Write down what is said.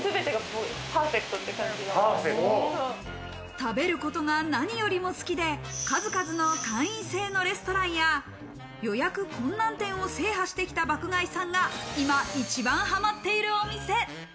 食べることが何よりも好きで、数々の会員制のレストランや予約困難店を制覇してきた爆買いさんが今一番ハマっているお店。